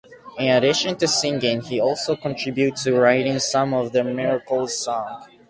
In addition to singing, he also contributed to writing some of the Miracles' songs.